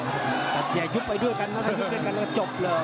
แต่อย่ายุบไปด้วยกันแล้วยุบกันนะก็จบเลย